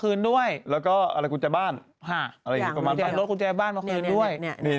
กุญแจรถรถกุญแจบ้านมะคืนด้วย